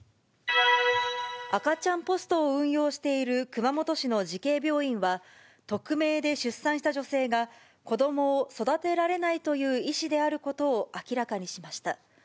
赤ちゃんポストを運用している熊本市の慈恵病院は、匿名で出産した女性が、子どもを育てられないという意思であることを明らかにしました。